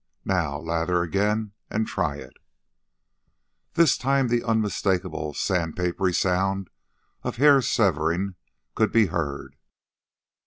Now, lather again and try it." This time the unmistakable sand papery sound of hair severing could be heard.